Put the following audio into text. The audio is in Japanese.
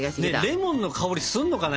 レモンの香りがするのかな？